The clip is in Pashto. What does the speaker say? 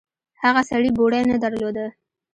هغه سړي بوړۍ نه درلوده.